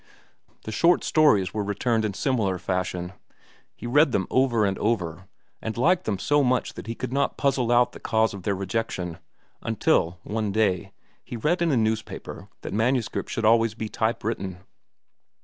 The short stories were returned in similar fashion. He read them over and over, and liked them so much that he could not puzzle out the cause of their rejection, until, one day, he read in a newspaper that manuscripts should always be typewritten.